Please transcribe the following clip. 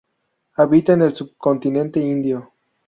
Habita en el subcontinente indio.